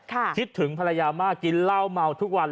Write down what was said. คิดถึงภรรยามากกินเหล้าเมาทุกวัน